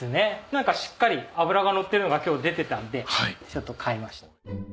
何かしっかり脂がのってるのが今日出てたんで買いました。